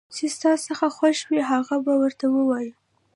چې ستا څه خوښ وي هغه به ورته ووايو